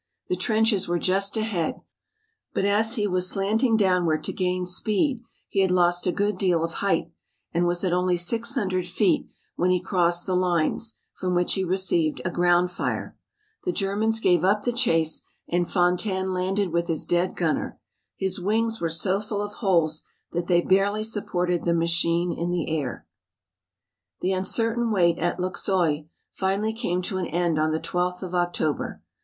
The trenches were just ahead, but as he was slanting downward to gain speed he had lost a good deal of height, and was at only six hundred feet when he crossed the lines, from which he received a ground fire. The Germans gave up the chase and Fontaine landed with his dead gunner. His wings were so full of holes that they barely supported the machine in the air. The uncertain wait at Luxeuil finally came to an end on the 12th of October.